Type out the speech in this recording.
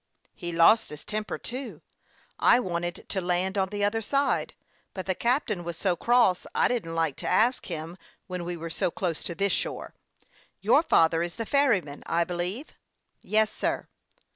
" He lost his temper, too. I wanted to land on the other side, but the captain was so cross I didn't like to ask him when we were so close to this shore. Your father is the ferryman, I believe." "Yes, sir."